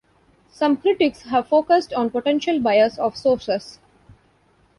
Some critics have focused on potential bias of sources.